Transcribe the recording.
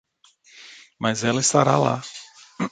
Mas ela estará lá.